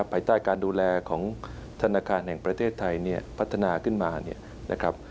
ภายใต้การดูแลของธนาคารแห่งประเทศไทยพัฒนาขึ้นมา